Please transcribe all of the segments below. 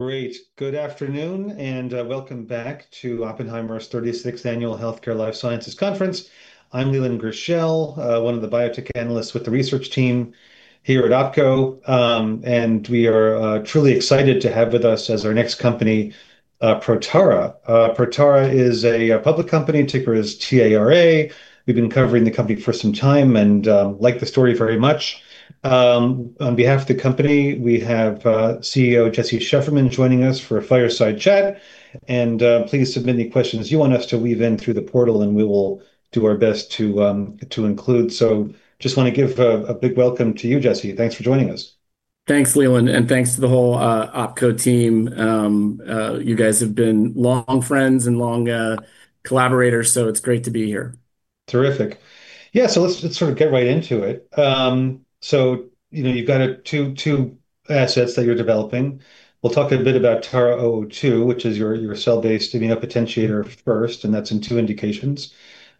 Great. Good afternoon, welcome back to Oppenheimer's 36th Annual Healthcare Life Sciences Conference. I'm Leland Gershell, one of the biotech analysts with the research team here at OpCo. We are truly excited to have with us as our next company, Protara. Protara is a public company. Ticker is TARA. We've been covering the company for some time and like the story very much. On behalf of the company, we have CEO Jesse Shefferman joining us for a fireside chat, please submit any questions you want us to weave in through the portal, we will do our best to include. Just want to give a big welcome to you, Jesse. Thanks for joining us. Thanks, Leland, and thanks to the whole OpCo team. You guys have been long friends and long collaborators, so it's great to be here. Terrific. Yeah, let's sort of get right into it. You know, you've got two assets that you're developing. We'll talk a bit about TARA-002, which is your cell-based immunopotentiator first, and that's in two indications.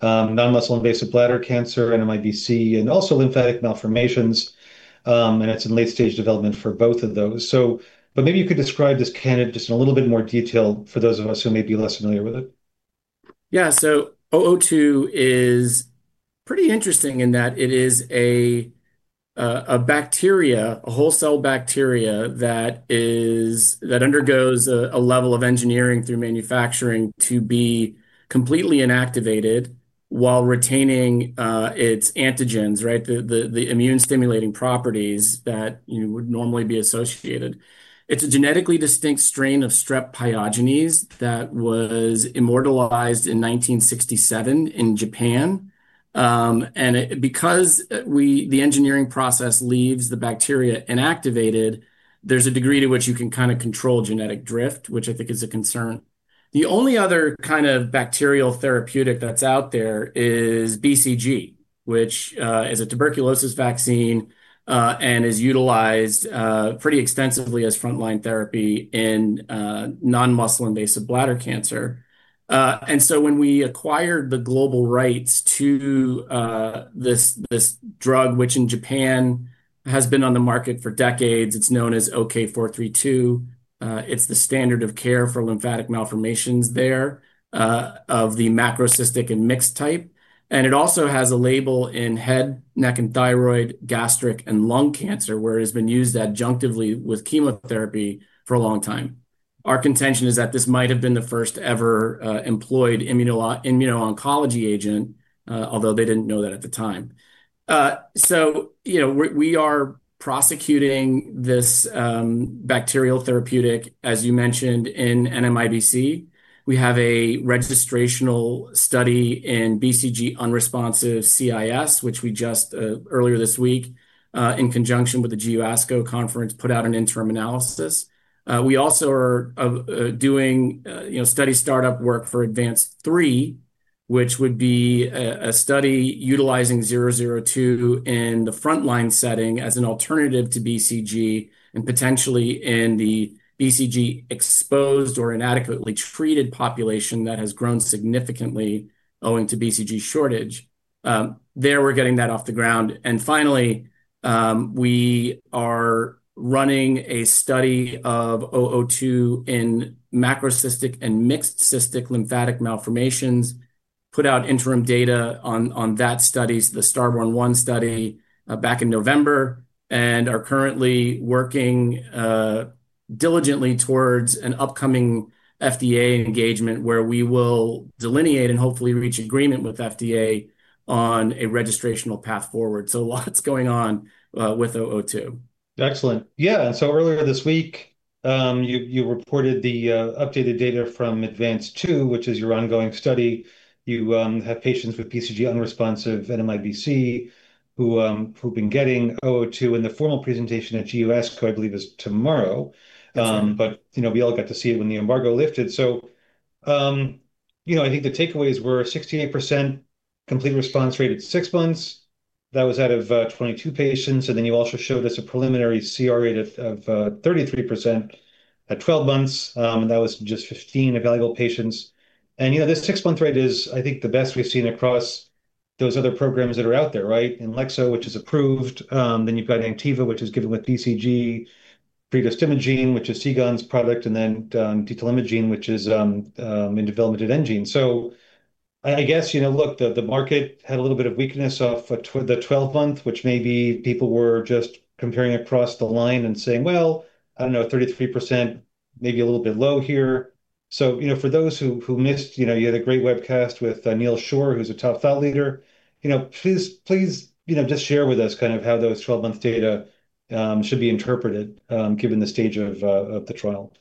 Non-muscle invasive bladder cancer, NMIBC, and also lymphatic malformations, and it's in late-stage development for both of those. Maybe you could describe this candidate just in a little bit more detail for those of us who may be less familiar with it. 002 is pretty interesting in that it is a bacteria, a whole cell bacteria, that undergoes a level of engineering through manufacturing to be completely inactivated while retaining its antigens, right? The immune-stimulating properties that, you would normally be associated. It's a genetically distinct strain of Streptococcus pyogenes that was immortalized in 1967 in Japan. Because the engineering process leaves the bacteria inactivated, there's a degree to which you can kind of control genetic drift, which I think is a concern. The only other kind of bacterial therapeutic that's out there is BCG, which is a tuberculosis vaccine and is utilized pretty extensively as frontline therapy in non-muscle invasive bladder cancer. When we acquired the global rights to this drug, which in Japan has been on the market for decades, it's known as OK-432. It's the standard of care for lymphatic malformations there of the macrocystic and mixed type. It also has a label in head, neck, and thyroid, gastric, and lung cancer, where it's been used adjunctively with chemotherapy for a long time. Our contention is that this might have been the first ever employed immuno-oncology agent, although they didn't know that at the time. You know, we are prosecuting this bacterial therapeutic, as you mentioned, in NMIBC. We have a registrational study in BCG-unresponsive CIS, which we just earlier this week, in conjunction with the ASCO GU conference, put out an interim analysis. we also are doing, you know, study start-up work for ADVANCED-3, which would be a study utilizing TARA-002 in the front-line setting as an alternative to BCG, and potentially in the BCG-exposed or inadequately treated population that has grown significantly owing to BCG shortage. there, we're getting that off the ground. Finally, we are running a study of TARA-002 in macrocystic and mixed cystic lymphatic malformations, put out interim data on that studies, the STARBORN-1 study, back in November, and are currently working diligently towards an upcoming FDA engagement, where we will delineate and hopefully reach agreement with FDA on a registrational path forward. A lot's going on with TARA-002. Excellent. Yeah, earlier this week, you reported the updated data from ADVANCED-2, which is your ongoing study. You have patients with BCG-unresponsive NMIBC, who've been getting TARA-002, and the formal presentation at ASCO GU, I believe, is tomorrow. That's right. You know, we all got to see it when the embargo lifted. You know, I think the takeaways were 68% complete response rate at six months. That was out of 22 patients. You also showed us a preliminary CR rate of 33% at 12 months, that was just 15 evaluable patients. You know, this six-month rate is, I think, the best we've seen across those other programs that are out there, right? Inlexzo, which is approved, you've got Anktiva, which is given with BCG, Previstimogene, which is Seagen's product, Tetilimagene, which is in development at enGene. I guess, you know, look, the market had a little bit of weakness off the 12-month, which maybe people were just comparing across the line and saying, "Well, I don't know, 33% may be a little bit low here." You know, for those who missed, you know, you had a great webcast with Neal Shore, who's a top thought leader. You know, please, you know, just share with us kind of how those 12-month data should be interpreted given the stage of the trial?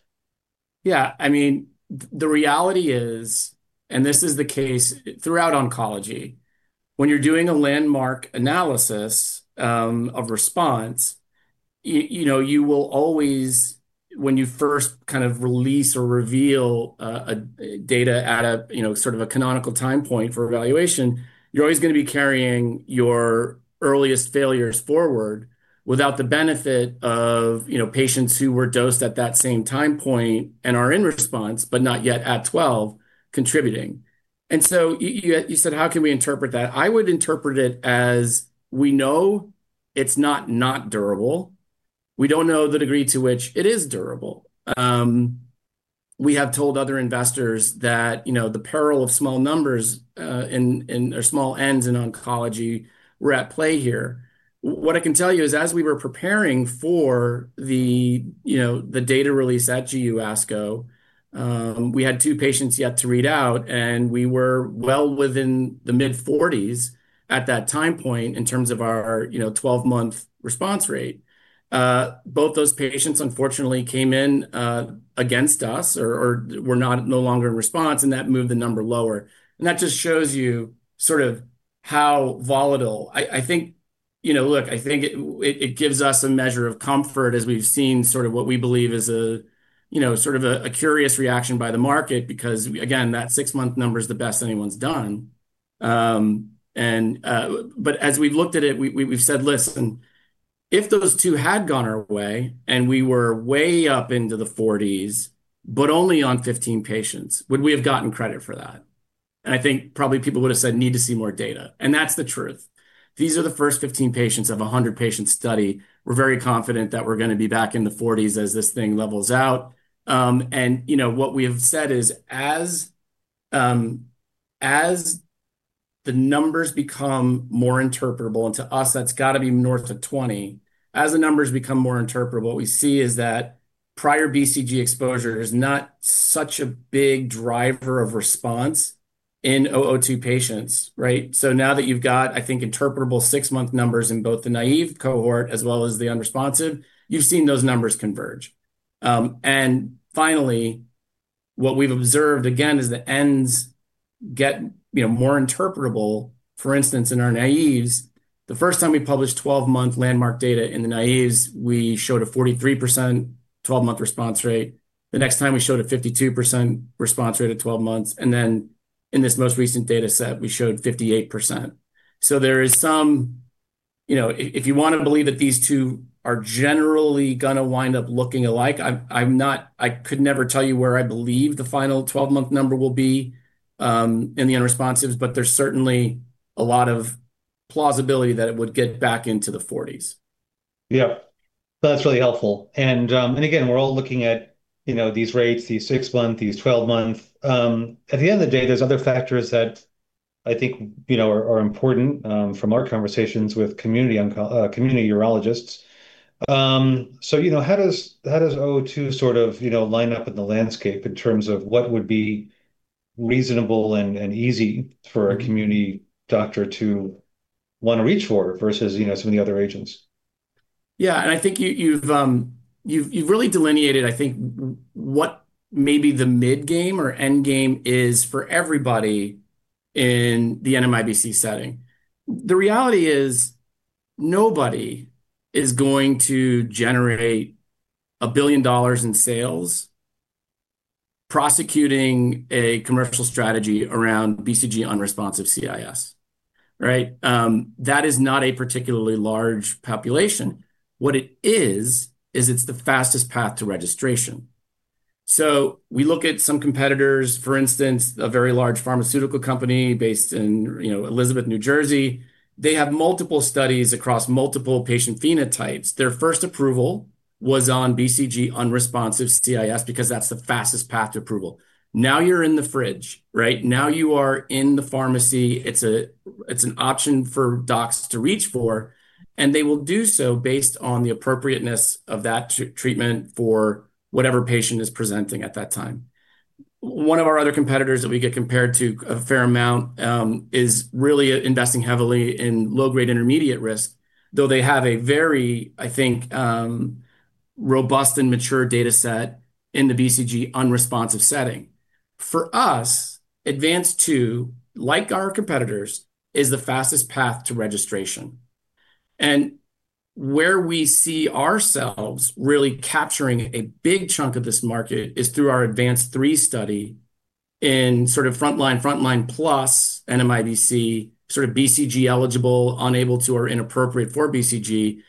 Yeah. I mean, the reality is, and this is the case throughout oncology, when you're doing a landmark analysis of response, you know, you will always... When you first kind of release or reveal a data at a, you know, sort of a canonical time point for evaluation, you're always gonna be carrying your earliest failures forward without the benefit of, you know, patients who were dosed at that same time point and are in response, but not yet at 12, contributing. You said, how can we interpret that? I would interpret it as we know it's not durable. We don't know the degree to which it is durable. We have told other investors that, you know, the peril of small numbers, or small ends in oncology were at play here. What I can tell you is, as we were preparing for the, you know, the data release at ASCO GU, we had two patients yet to read out, and we were well within the mid-40s at that time point in terms of our, you know, 12-month response rate. Both those patients unfortunately came in against us or were not no longer in response, and that moved the number lower. That just shows you sort of how volatile. I think, you know, look, I think it gives us a measure of comfort as we've seen sort of what we believe is a, you know, sort of a curious reaction by the market, because, again, that six-month number is the best anyone's done. But as we've looked at it, we've said, listen, if those two had gone our way and we were way up into the 40s, but only on 15 patients, would we have gotten credit for that? I think probably people would have said, "Need to see more data," and that's the truth. These are the first 15 patients of a 100-patient study. We're very confident that we're gonna be back in the 40s as this thing levels out. You know, what we have said is, as the numbers become more interpretable, and to us, that's got to be north of 20. As the numbers become more interpretable, what we see is that prior BCG exposure is not such a big driver of response in TARA-002 patients, right? Now that you've got, I think, interpretable 6-month numbers in both the naive cohort as well as the unresponsive, you've seen those numbers converge. Finally, what we've observed again, is the ends get, you know, more interpretable. For instance, in our naives, the first time we published 12-month landmark data in the naives, we showed a 43% 12-month response rate. The next time, we showed a 52% response rate at 12 months, and then in this most recent data set, we showed 58%. There is some... You know, if you want to believe that these two are generally gonna wind up looking alike, I could never tell you where I believe the final 12-month number will be in the unresponsives, but there's certainly a lot of plausibility that it would get back into the 40s. Yeah. That's really helpful. Again, we're all looking at, you know, these rates, these six-month, these 12-month. At the end of the day, there's other factors that I think, you know, are important, from our conversations with community onco, community urologists. You know, how does, how does TARA-002 sort of, you know, line up in the landscape in terms of what would be reasonable and easy for a community doctor to want to reach for versus, you know, some of the other agents? Yeah, I think you've really delineated, I think, what maybe the mid-game or end game is for everybody in the NMIBC setting. The reality is, nobody is going to generate $1 billion in sales, prosecuting a commercial strategy around BCG-unresponsive CIS. Right? That is not a particularly large population. What it is it's the fastest path to registration. We look at some competitors, for instance, a very large pharmaceutical company based in, you know, Elizabeth, New Jersey. They have multiple studies across multiple patient phenotypes. Their first approval was on BCG-unresponsive CIS, because that's the fastest path to approval. Now you're in the fridge, right? Now you are in the pharmacy. It's a, it's an option for docs to reach for, they will do so based on the appropriateness of that treatment for whatever patient is presenting at that time. One of our other competitors that we get compared to a fair amount, is really investing heavily in low-grade intermediate risk, though they have a very, I think, robust and mature data set in the BCG-unresponsive setting. For us, ADVANCED-2, like our competitors, is the fastest path to registration. Where we see ourselves really capturing a big chunk of this market is through our ADVANCED-3 study in sort of frontline plus NMIBC, sort of BCG-eligible, unable to, or inappropriate for BCG.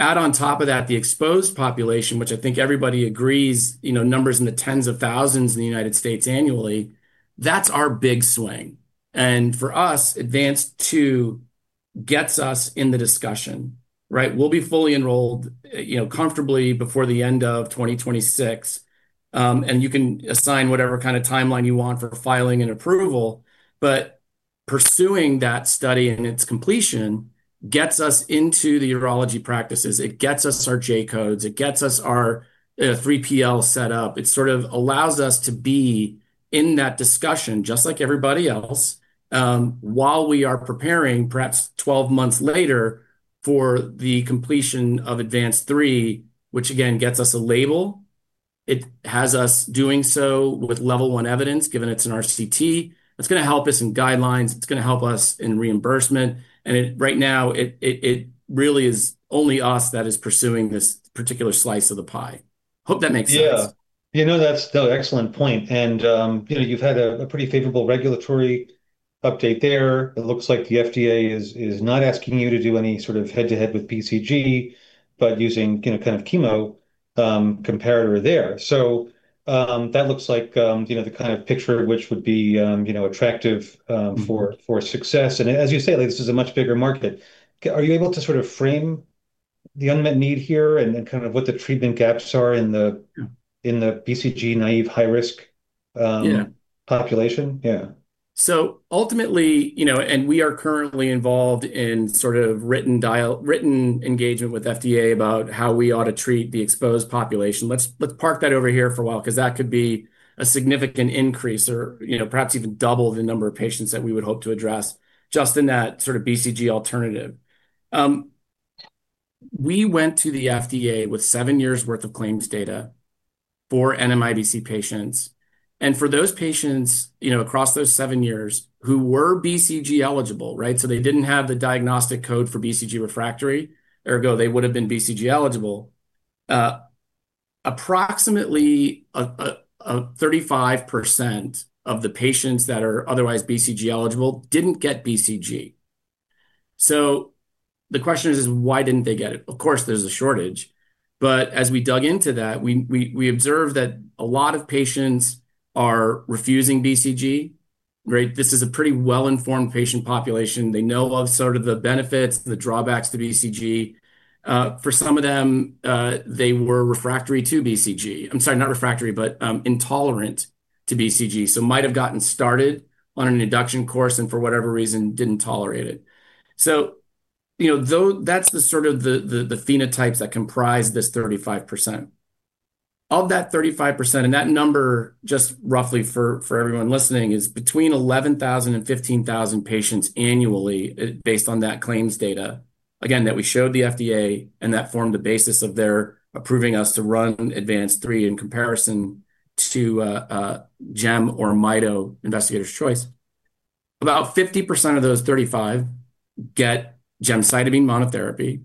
Add on top of that, the exposed population, which I think everybody agrees, you know, numbers in the tens of thousands in the United States annually, that's our big swing. For us, ADVANCED-2 gets us in the discussion, right? We'll be fully enrolled, you know, comfortably before the end of 2026. You can assign whatever kind of timeline you want for filing and approval, but pursuing that study and its completion gets us into the urology practices. It gets us our J-codes, it gets us our 3PL set up. It sort of allows us to be in that discussion just like everybody else, while we are preparing, perhaps 12 months later, for the completion of ADVANCED-3, which again, gets us a label. It has us doing so with level 1 evidence, given it's an RCT. It's gonna help us in guidelines, it's gonna help us in reimbursement, it, right now, it really is only us that is pursuing this particular slice of the pie. Hope that makes sense. You know, that's an excellent point. You know, you've had a pretty favorable regulatory update there, it looks like the FDA is not asking you to do any sort of head-to-head with BCG, but using, you know, kind of chemo comparator there. That looks like, you know, the kind of picture which would be, you know, attractive for success. As you say, like this is a much bigger market. Are you able to sort of frame the unmet need here and then kind of what the treatment gaps are in the- Yeah. in the BCG-naive, high-risk. Yeah population? Yeah. Ultimately, you know, and we are currently involved in written engagement with FDA about how we ought to treat the exposed population. Let's park that over here for a while, 'cause that could be a significant increase or, you know, perhaps even double the number of patients that we would hope to address just in that sort of BCG alternative. We went to the FDA with seven years' worth of claims data for NMIBC patients, and for those patients, you know, across those seven years who were BCG eligible, right? They didn't have the diagnostic code for BCG refractory. Ergo, they would've been BCG eligible. Approximately a 35% of the patients that are otherwise BCG eligible didn't get BCG. The question is: why didn't they get it? Of course, there's a shortage, as we dug into that, we observed that a lot of patients are refusing BCG, right? This is a pretty well-informed patient population. They know of sort of the benefits, the drawbacks to BCG. For some of them, they were refractory to BCG. I'm sorry, not refractory, but intolerant to BCG. Might have gotten started on an induction course and for whatever reason, didn't tolerate it. You know, that's the sort of the phenotypes that comprise this 35%. Of that 35%, and that number, just roughly for everyone listening, is between 11,000 and 15,000 patients annually, based on that claims data, again, that we showed the FDA, and that formed the basis of their approving us to run ADVANCED-3 in comparison to Gem or mitomycin, investigator's choice. About 50% of those 35 get gemcitabine monotherapy.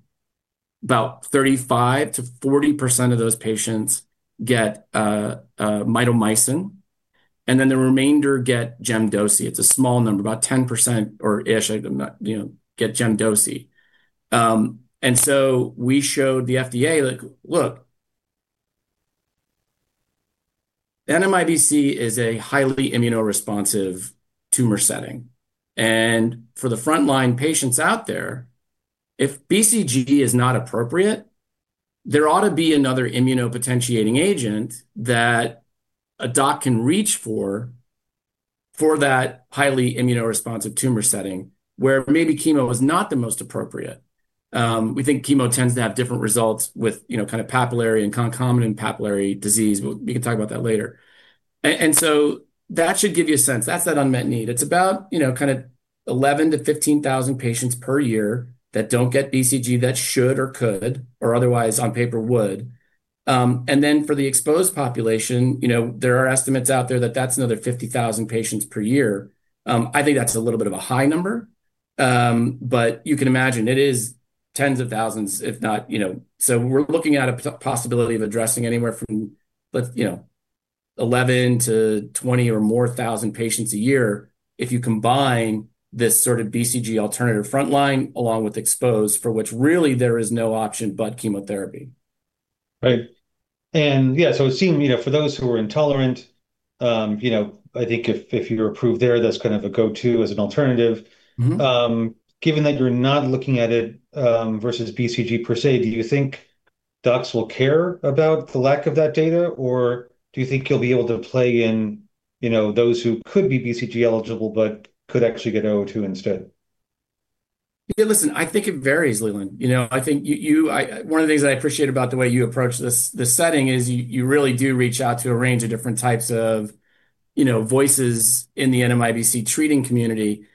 About 35%-40% of those patients get mitomycin, and then the remainder get Gem/Doce. It's a small number, about 10% or ish, not, you know, get Gem/Doce. We showed the FDA, like, "Look, NMIBC is a highly immuno-responsive tumor setting, and for the frontline patients out there, if BCG is not appropriate, there ought to be another immunopotentiating agent that a doc can reach for that highly immuno-responsive tumor setting, where maybe chemo is not the most appropriate." We think chemo tends to have different results with, you know, kind of papillary and concomitant papillary disease. We can talk about that later. That should give you a sense. That's that unmet need. It's about, you know, kind of 11,000 patients-15,000 patients per year that don't get BCG, that should or could, or otherwise on paper, would. For the exposed population, you know, there are estimates out there that that's another 50,000 patients per year. I think that's a little bit of a high number, but you can imagine it is tens of thousands, if not. We're looking at a possibility of addressing anywhere from, let's, 11 to 20 or more thousand patients a year, if you combine this sort of BCG alternative frontline, along with exposed, for which really there is no option but chemotherapy. Right. Yeah, it seemed, you know, for those who are intolerant, you know, I think if you're approved there, that's kind of a go-to as an alternative. Mm-hmm. Given that you're not looking at it, versus BCG per se, do you think docs will care about the lack of that data, or do you think you'll be able to play in, you know, those who could be BCG eligible, but could actually get TARA-002 instead? Yeah, listen, I think it varies, Leland. You know, I think you, one of the things I appreciate about the way you approach this setting is you really do reach out to a range of different types of, you know, voices in the NMIBC treating community,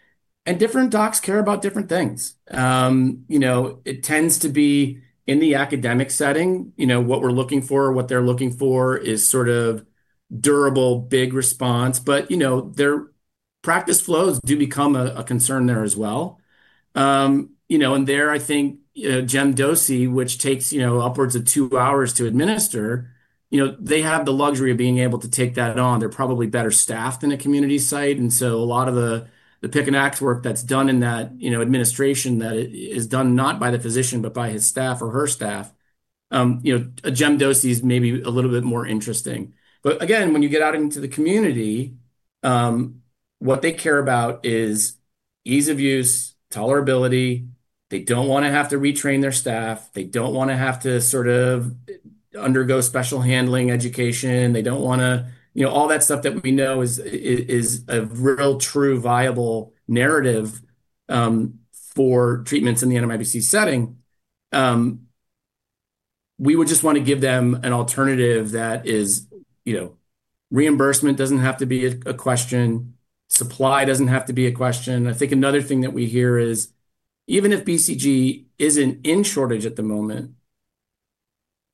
and different docs care about different things. You know, it tends to be in the academic setting, you know, what we're looking for, what they're looking for is sort of durable, big response. You know, their practice flows do become a concern there as well. You know, there, I think, GemDoce, which takes, you know, upwards of two hours to administer, you know, they have the luxury of being able to take that on. They're probably better staffed than a community site, a lot of the pick and act work that's done in that, you know, administration, that is done not by the physician, but by his staff or her staff. You know, a GemDoce is maybe a little bit more interesting. Again, when you get out into the community, what they care about is ease of use, tolerability. They don't wanna have to retrain their staff, they don't wanna have to sort of undergo special handling education, they don't wanna you know, all that stuff that we know is a real, true, viable narrative, for treatments in the NMIBC setting. We would just wanna give them an alternative that is, you know, reimbursement doesn't have to be a question, supply doesn't have to be a question. I think another thing that we hear is, even if BCG isn't in shortage at the moment,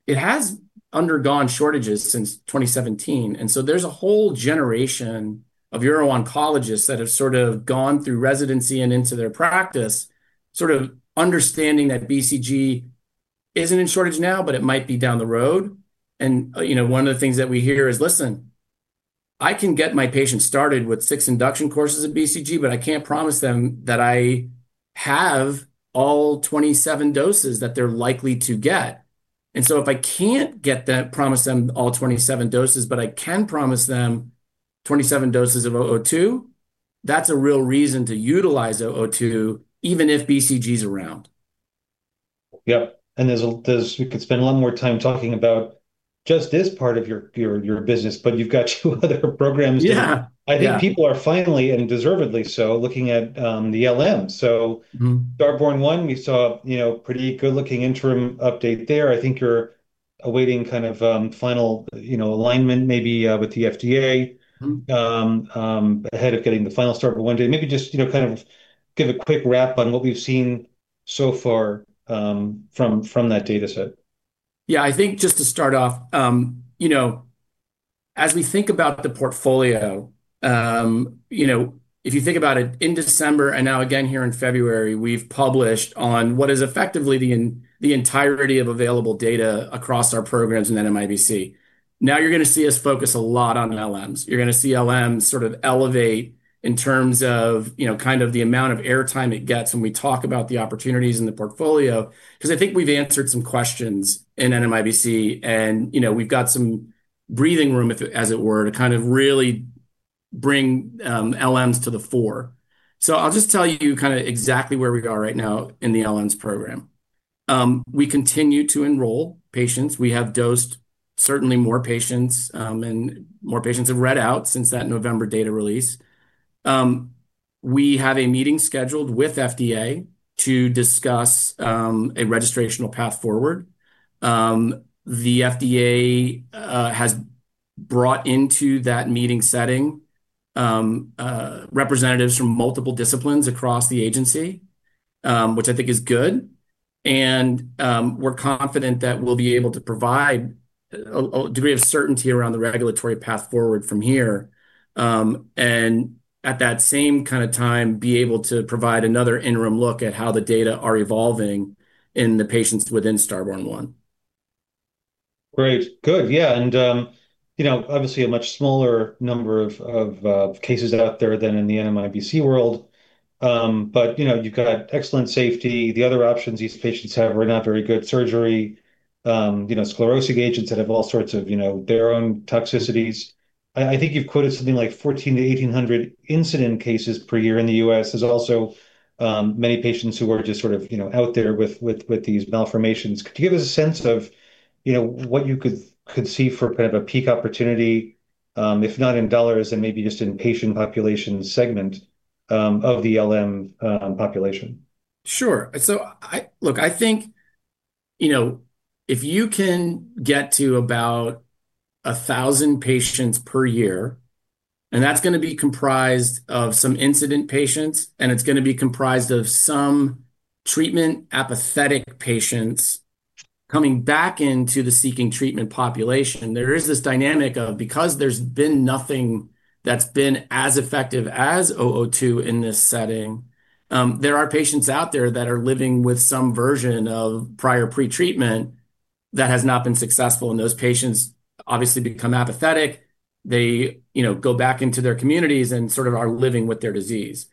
it has undergone shortages since 2017. There's a whole generation of uro-oncologists that have sort of gone through residency and into their practice, sort of understanding that BCG isn't in shortage now, but it might be down the road. You know, one of the things that we hear is, "Listen, I can get my patients started with 6 induction courses of BCG, but I can't promise them that I have all 27 doses that they're likely to get." If I can't get that, promise them all 27 doses, but I can promise them 27 doses of TARA-002, that's a real reason to utilize TARA-002, even if BCG's around. Yep, we could spend a lot more time talking about just this part of your business, but you've got two other programs. Yeah. Yeah. I think people are finally, and deservedly so, looking at, the LM. Mm-hmm. STARBORN-1, we saw, you know, pretty good-looking interim update there. I think you're awaiting kind of final, you know, alignment, maybe, with the FDA. Mm-hmm. ahead of getting the final start for one day. Maybe just, you know, kind of give a quick wrap on what we've seen so far, from that data set. I think just to start off, you know, as we think about the portfolio, you know, if you think about it, in December, and now again, here in February, we've published on what is effectively the entirety of available data across our programs in NMIBC. You're gonna see us focus a lot on LMs. You're gonna see LMs sort of elevate in terms of, you know, kind of the amount of air time it gets when we talk about the opportunities in the portfolio, 'cause I think we've answered some questions in NMIBC, and, you know, we've got some breathing room, if, as it were, to kind of really bring LMs to the fore. I'll just tell you kind of exactly where we are right now in the LMs program. We continue to enroll patients. We have dosed certainly more patients, and more patients have read out since that November data release. We have a meeting scheduled with FDA to discuss a registrational path forward. The FDA has brought into that meeting setting representatives from multiple disciplines across the agency, which I think is good. We're confident that we'll be able to provide a degree of certainty around the regulatory path forward from here, and at that same kind of time, be able to provide another interim look at how the data are evolving in the patients within STARBORN-1. Great. Good. Yeah, you know, obviously a much smaller number of cases out there than in the NMIBC world. You know, you've got excellent safety. The other options these patients have are not very good: surgery, you know, sclerosing agents that have all sorts of, you know, their own toxicities. I think you've quoted something like 1,400 incident-1,800 incident cases per year in the U.S. There's also, many patients who are just sort of, you know, out there with these malformations. Could you give us a sense of, you know, what you could see for kind of a peak opportunity, if not in dollars, then maybe just in patient population segment, of the LM population? Sure. Look, I think, you know, if you can get to about 1,000 patients per year, that's gonna be comprised of some incident patients. It's gonna be comprised of some treatment-apathetic patients coming back into the seeking treatment population. There is this dynamic of because there's been nothing that's been as effective as TARA-002 in this setting, there are patients out there that are living with some version of prior pre-treatment that has not been successful. Those patients obviously become apathetic. They, you know, go back into their communities and sort of are living with their disease.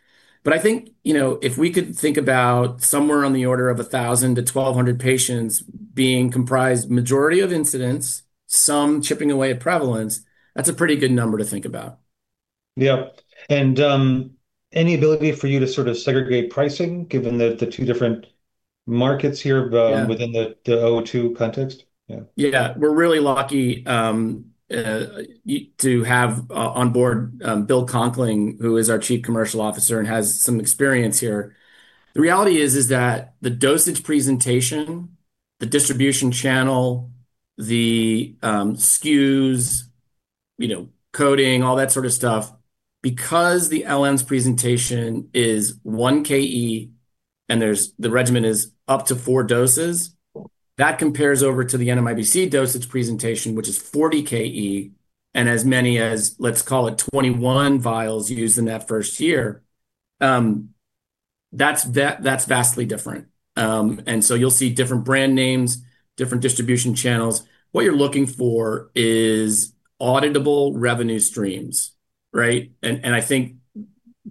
I think, you know, if we could think about somewhere on the order of 1,000 patients-1,200 patients being comprised, majority of incidents, some chipping away at prevalence, that's a pretty good number to think about. Yep. Any ability for you to sort of segregate pricing, given the two different markets here? Yeah... within the 002 context? Yeah. We're really lucky to have on board Bill Conkling, who is our Chief Commercial Officer and has some experience here. The reality is that the dosage presentation, the distribution channel, the SKUs, you know, coding, all that sort of stuff, because the LMs' presentation is 1 KE, and there's, the regimen is up to four doses, that compares over to the NMIBC dosage presentation, which is 40 KE, and as many as, let's call it, 21 vials used in that first year. That's vastly different. You'll see different brand names, different distribution channels. What you're looking for is auditable revenue streams, right? I think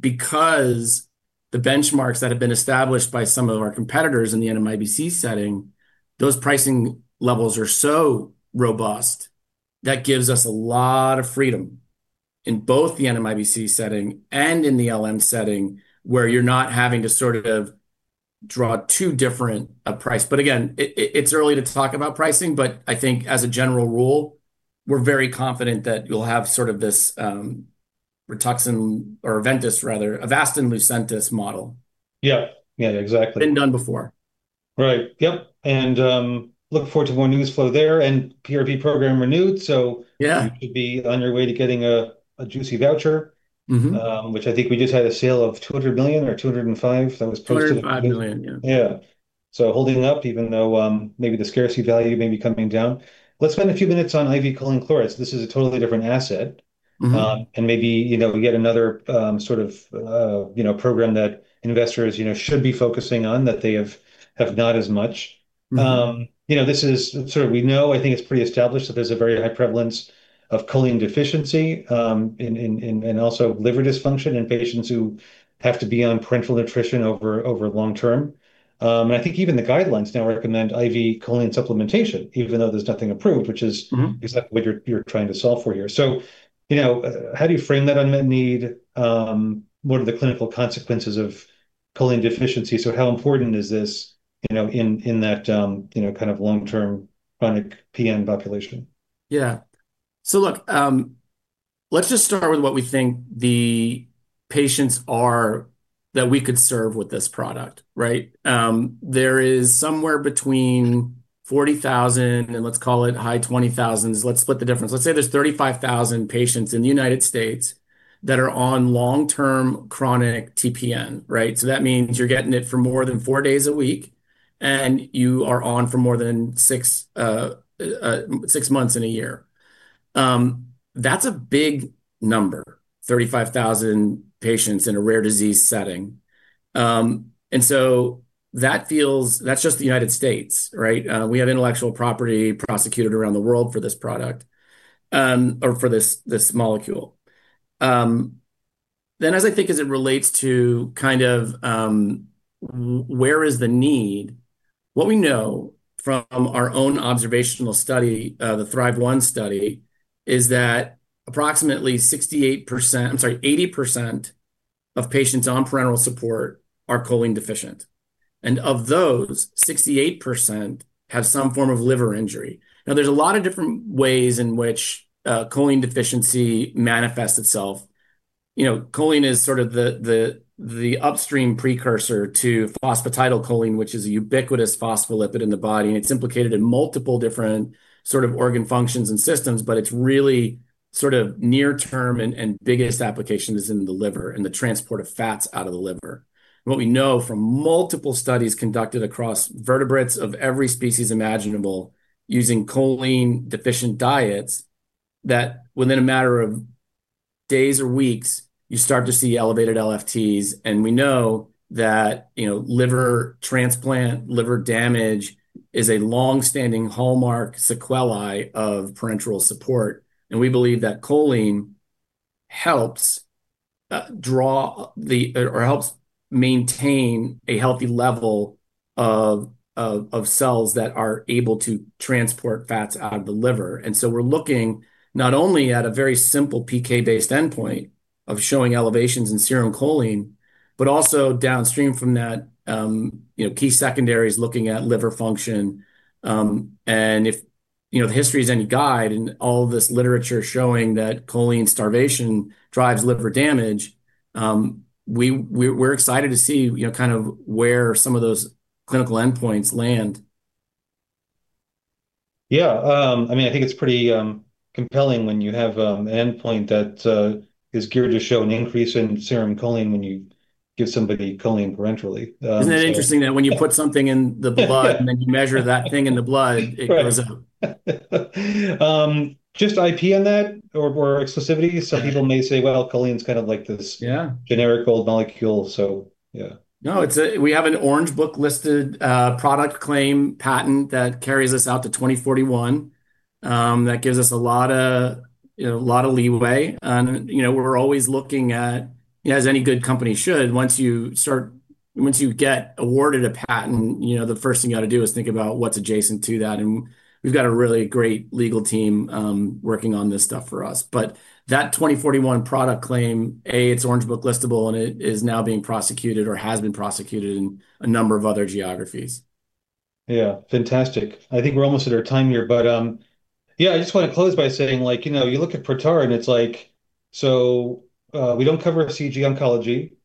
because the benchmarks that have been established by some of our competitors in the NMIBC setting, those pricing levels are so robust, that gives us a lot of freedom in both the NMIBC setting and in the LM setting, where you're not having to sort of draw two different price. Again, it's early to talk about pricing, but I think as a general rule, we're very confident that you'll have sort of this Rituxan or Ventus, rather, Avastin Lucentis model. Yep. Yeah, exactly. Been done before. Right. Yep, looking forward to more news flow there. PRV program renewed. Yeah... you should be on your way to getting a juicy voucher. Mm-hmm. Which I think we just had a sale of $200 million or $205 million that was posted. $205 million, yeah. Yeah. Holding up, even though maybe the scarcity value may be coming down. Let's spend a few minutes on IV Choline Chloride. This is a totally different asset. And maybe, you know, yet another, sort of, you know, program that investors, you know, should be focusing on, that they have not as much. You know, this is sort of we know, I think it's pretty established that there's a very high prevalence of choline deficiency, in, and also liver dysfunction in patients who have to be on parenteral nutrition over long term. I think even the guidelines now recommend IV choline supplementation, even though there's nothing approved, which is. Mm-hmm. exactly what you're trying to solve for here. You know, how do you frame that unmet need? What are the clinical consequences of choline deficiency? How important is this, you know, in that, you know, kind of long-term chronic PN population? Yeah. Look, let's just start with what we think the patients are that we could serve with this product, right? There is somewhere between 40,000 and let's call it high 20,000s. Let's split the difference. Let's say there's 35,000 patients in the United States that are on long-term chronic TPN, right? That means you're getting it for more than four days a week, and you are on for more than six months in a year. That's a big number, 35,000 patients in a rare disease setting. That's just the United States, right? We have intellectual property prosecuted around the world for this product, or for this molecule. As I think as it relates to kind of, where is the need? What we know from our own observational study, the THRIVE-1 study, is that approximately 68%, I'm sorry, 80% of patients on parenteral support are choline deficient, and of those, 68% have some form of liver injury. There's a lot of different ways in which choline deficiency manifests itself. You know, choline is sort of the upstream precursor to phosphatidylcholine, which is a ubiquitous phospholipid in the body, and it's implicated in multiple different sort of organ functions and systems, but it's really sort of near term, and biggest application is in the liver and the transport of fats out of the liver. What we know from multiple studies conducted across vertebrates of every species imaginable, using choline-deficient diets, that within a matter of days or weeks, you start to see elevated LFTs. We know that, you know, liver transplant, liver damage is a long-standing hallmark sequelae of parenteral support, and we believe that choline helps draw the, or helps maintain a healthy level of cells that are able to transport fats out of the liver. We're looking not only at a very simple PK-based endpoint of showing elevations in serum choline, but also downstream from that, you know, key secondaries looking at liver function, and if, you know, the history is any guide in all this literature showing that choline starvation drives liver damage, we're excited to see, you know, kind of where some of those clinical endpoints land. I mean, I think it's pretty compelling when you have an endpoint that is geared to show an increase in serum choline when you give somebody choline parenterally. Isn't that interesting, that when you put something in the blood and then you measure that thing in the blood, it goes up. Just IP on that or exclusivity? Some people may say, "Well, choline is kind of like this... Yeah generic old molecule," yeah. No, we have an Orange Book listed product claim patent that carries us out to 2041. That gives us a lot of, you know, a lot of leeway, and, you know, we're always looking at, as any good company should, once you get awarded a patent, you know, the first thing you gotta do is think about what's adjacent to that, and we've got a really great legal team working on this stuff for us. That 2041 product claim, A, it's Orange Book listable, and it is now being prosecuted or has been prosecuted in a number of other geographies. Yeah, fantastic. I think we're almost at our time here, but, yeah, I just want to close by saying, like, you know, you look at Protara, and it's like, we don't cover CG Oncology,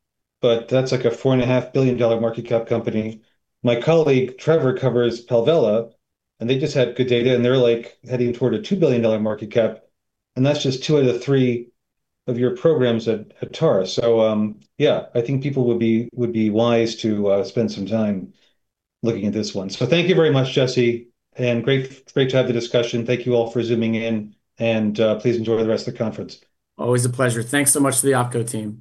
but that's like a $4.5 billion market cap company. My colleague Trevor covers Palvella, and they just had good data, and they're like heading toward a $2 billion market cap, and that's just two of the three of your programs at TARA. Yeah, I think people would be wise to spend some time looking at this one. Thank you very much, Jesse, and great to have the discussion. Thank you all for Zooming in, please enjoy the rest of the conference. Always a pleasure. Thanks so much to the OpCo team.